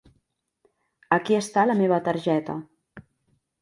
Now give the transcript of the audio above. Aquí està la meva targeta.